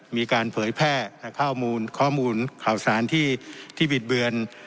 มีการเผยแพร่ข้อมูลข้อมูลข่าวสารที่บิดเบือน